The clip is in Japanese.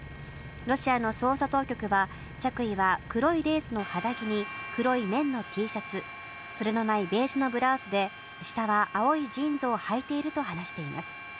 ロシアの捜査当局は、着衣は黒いレースの肌着に黒い綿のＴシャツ、袖のないベージュのブラウスで、下は青いジーンズをはいていると話しています。